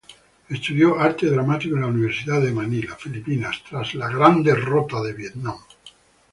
Estudió arte dramático en la Universidad de Manila, Filipinas, tras la guerra de Vietnam.